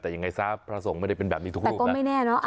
แต่ยังไงซะพระสงฆ์ไม่ได้เป็นแบบนี้ทุกรูปก็ไม่แน่เนอะ